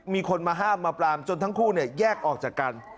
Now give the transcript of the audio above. มีคนมาห้ามมาปรามจนทั้งคู่แยกออกจากกัน